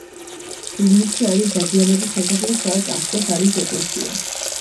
ზუგდიდში არის დადიანების სასახლე სადაც ახლოს არის ეკლესია